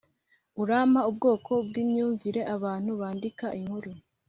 urampa ubwoko bwimyumvire abantu bandika inkuru.